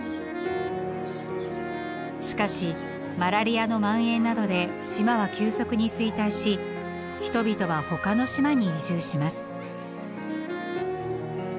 しかしマラリアのまん延などで島は急速に衰退し人々はほかの島に移住します。